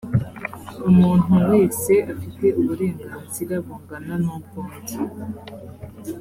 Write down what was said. umuntu wese afite uburenganzira bungana nubwundi